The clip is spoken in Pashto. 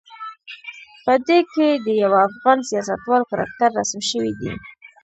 په دې کې د یوه افغان سیاستوال کرکتر رسم شوی دی.